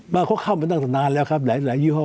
ว่าเขาเข้ามาตั้งนานแล้วครับหลายยี่ห้อ